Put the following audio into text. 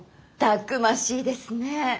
たくましいですね。